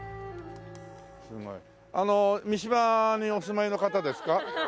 あの三島にお住まいの方ですか？